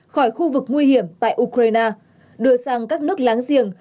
khỏi khu vực nguy hiểm tại ukraine đưa sang các nước láng giềng